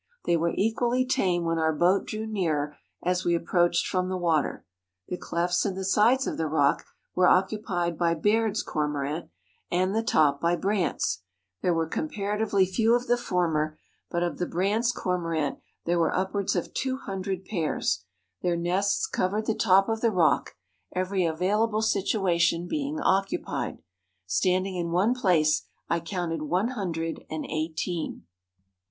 They were equally tame when our boat drew nearer as we approached from the water. The clefts in the sides of the rock were occupied by Baird's Cormorant and the top by Brandt's. There were comparatively few of the former, but of the Brandt's Cormorant there were upwards of two hundred pairs. Their nests covered the top of the rock, every available situation being occupied. Standing in one place I counted one hundred and eighteen."